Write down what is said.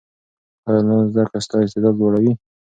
ایا انلاین زده کړه ستا استعداد لوړوي؟